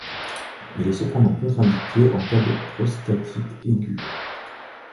Il est cependant contre-indiqué en cas de prostatite aiguë.